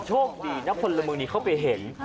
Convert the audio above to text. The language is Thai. โชคดีนะคนละมือนี้เข้าไปเห็น